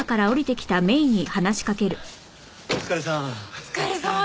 お疲れさん。